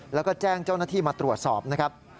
แล้วก็แจ้งเจ้าหน้าที่มาตรวจสอบนะครับ